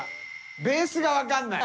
ベースが分からない。